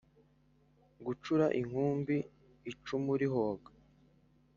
gicura inkumbi icumu rihoga,